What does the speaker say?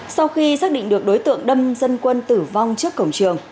sau khi xác định được đối tượng đâm dân quân tử vong trước cổng trường